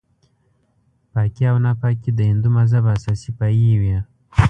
پاکي او ناپاکي د هندو مذهب اساسي پایې وې.